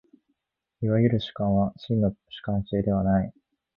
いわゆる主観は真の主観性ではない。